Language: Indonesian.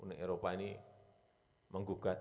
uni eropa ini menggugat